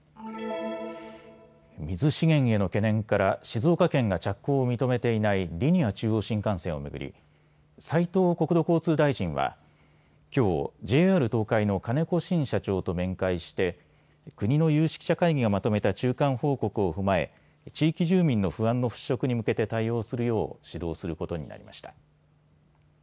水資源への懸念から静岡県が着工を認めていないリニア中央新幹線を巡り斉藤国土交通大臣はきょうＪＲ東海の金子慎社長と面会して国の有識者会議がまとめた中間報告を踏まえ地域住民の不安の払拭に向けて対応するよう指導することになりました。